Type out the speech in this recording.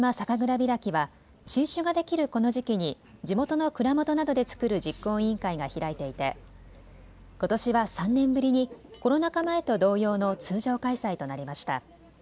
びらきは新酒ができるこの時期に地元の蔵元などで作る実行委員会が開いていてことしは３年ぶりにコロナ禍前と同様の通常開催となりました。